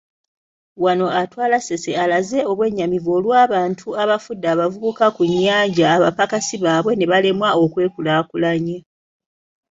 Wano atwala Ssese alaze obwennyamivu olw'abantu abafudde abavubuka ku Nnyanja abapakasi baabwe nebalemwa okwekulaakulanya.